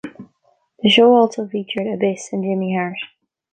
The show also featured Abyss and Jimmy Hart.